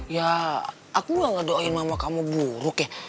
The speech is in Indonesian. ya aku gak ngedoain mama kamu buruk ya